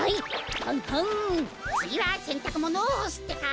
つぎはせんたくものをほすってか！